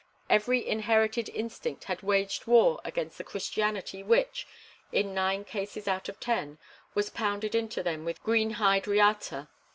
Every inherited instinct had waged war against the Christianity which, in nine cases out of ten, was pounded into them with a green hide reata.